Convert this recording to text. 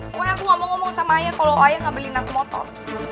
kenapa aku gak mau ngomong sama ayah kalau ayah gak beliin aku motor